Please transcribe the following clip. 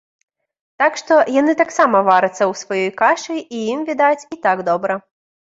Так што, яны таксама варацца ў сваёй кашы і ім, відаць, і так добра.